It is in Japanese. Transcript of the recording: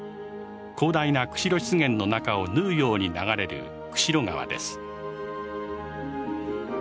広大な釧路湿原の中を縫うように流れる釧路川です。